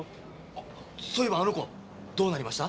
あっそういえばあの子はどうなりました？